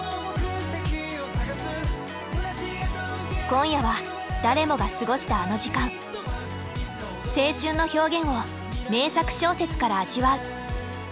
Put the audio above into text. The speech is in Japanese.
今夜は誰もが過ごしたあの時間青春の表現を名作小説から味わう。